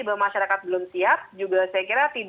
bahwa masyarakat belum siap juga saya kira